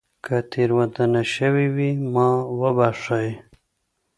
که تېروتنه شوې وي ما وبښئ